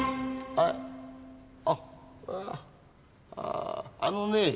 ああっあのねぇ。